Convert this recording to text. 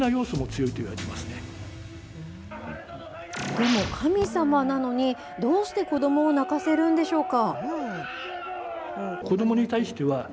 でも、神様なのに、どうして子どもを泣かせるんでしょうか。